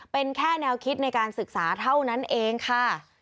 เป็นแค่แนวคิดในการศึกษาเท่านั้นเองค่ะ